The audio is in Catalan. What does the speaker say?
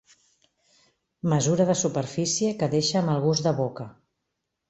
Mesura de superfície que deixa mal gust de boca.